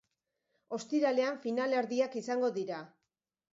Ostiralean finalerdiak izango dira.